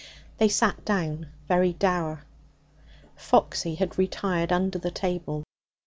They sat down, very dour. Foxy had retired under the table.